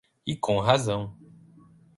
E com razão